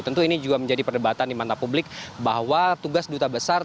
tentu ini juga menjadi perdebatan di mata publik bahwa tugas duta besar